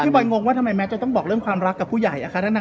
บอยงงว่าทำไมแมทจะต้องบอกเรื่องความรักกับผู้ใหญ่อะค่ะ